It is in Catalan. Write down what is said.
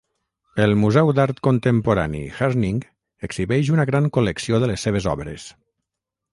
El Museu d'Art Contemporani Herning exhibeix una gran col·lecció de les seves obres.